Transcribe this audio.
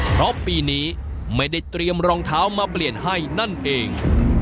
เพราะปีนี้ไม่ได้เตรียมรองเท้ามาเปลี่ยนให้นั่นเอง